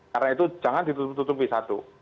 karena itu jangan ditutup tutupi satu